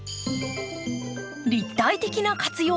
立体的な活用法。